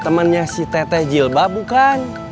temannya si tete jilba bukan